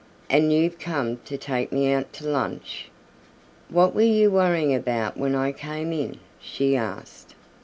"And you've come to take me out to lunch!" "What were you worrying about when I came in?" she asked.